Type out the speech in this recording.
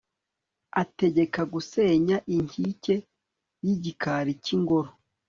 ategeka gusenya inkike y'igikari cy'ingoro